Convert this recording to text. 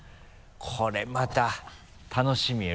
これまた楽しみよ